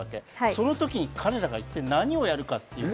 その時に彼らが一体何をやるかという。